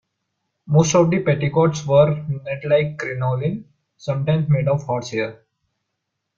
Most of the petticoats were netlike crinoline, sometimes made of horsehair.